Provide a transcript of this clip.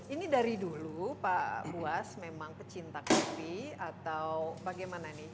ini dari dulu pak buas memang pecinta kopi atau bagaimana nih